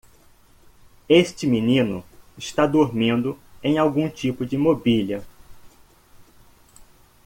Este menino está dormindo em algum tipo de mobília.